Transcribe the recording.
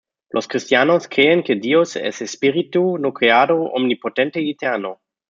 Los cristianos creen que Dios es espíritu, no creado, omnipotente y eterno.